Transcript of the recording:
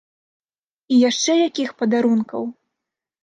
І яшчэ якіх падарункаў!